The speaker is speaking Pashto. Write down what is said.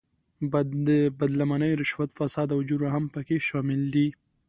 بد لمنۍ، رشوت، فساد او جرم هم په کې شامل دي.